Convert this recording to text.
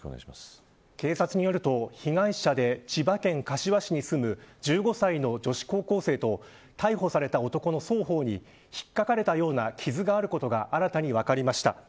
警察によると被害者で千葉県柏市に住む１５歳の女子高校生と逮捕された男の双方に引っかかれたような傷があることが新たに分かりました。